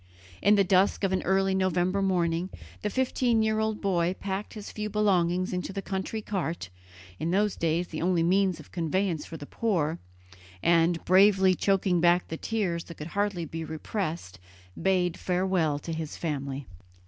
In the dusk of an early November morning the fifteen year old boy packed his few belongings into the country cart, in those days the only means of conveyance for the poor, and, bravely choking back the tears that could hardly be repressed, bade farewell to his family.